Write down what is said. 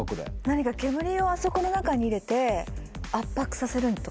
煙をあそこの中に入れて圧迫させるとか？